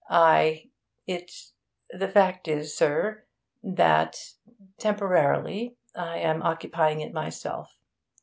I it the fact is, sir, that temporarily I am occupying it myself.'